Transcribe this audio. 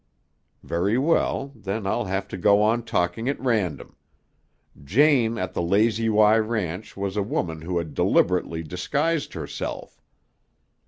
"Very well. Then I'll have to go on talking at random. Jane at the Lazy Y Ranch was a woman who had deliberately disguised herself.